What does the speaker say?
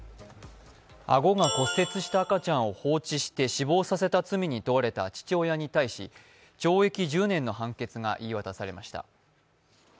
顎が骨折した赤ちゃんを放置して死亡させた罪に問われた父親に対し、懲役１０年の判決が言い渡されました。